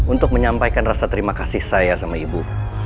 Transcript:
untuk menyampaikan rasa terima kasih saya sama ibu